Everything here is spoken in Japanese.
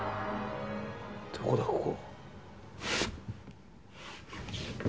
どこだここ？